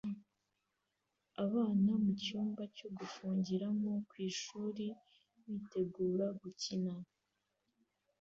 Abana mucyumba cyo gufungiramo kwishuri bitegura gukina